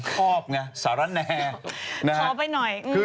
ครอบเนี่ยสารแน